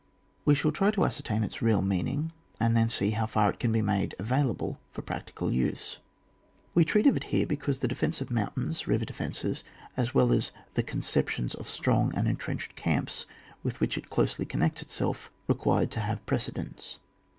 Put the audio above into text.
We shall try to ascertain its real mean ing, and then see how far it can be made available for practical use. We treat of it here because the defence of mountains, river defences, as well as the conceptions of strong and entrenched camps with which it closely connects itself, required to have precedence.